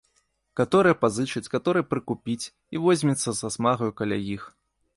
Каторыя пазычыць, каторыя прыкупіць і возьмецца са смагаю каля іх.